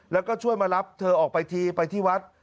แล้วก็ช่วยมารับเธอออกไปทีไปที่วัด